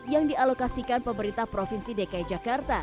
yang dialokasikan pemerintah provinsi dki jakarta